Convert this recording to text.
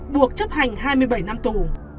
buộc chấp hành hai mươi bảy năm tù